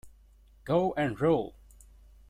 Go and rule!